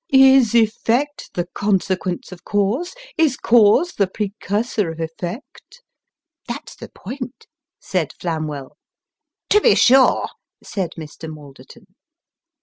Is effect the consequence of cause ? Is cause the precursor of effect ?"" That's the point," said Flamwell. " To be sure," said Mr. Malderton.